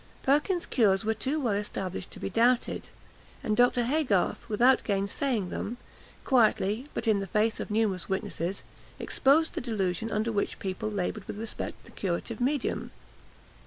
Perkins's cures were too well established to be doubted; and Dr. Haygarth, without gain saying them, quietly, but in the face of numerous witnesses, exposed the delusion under which people laboured with respect to the curative medium.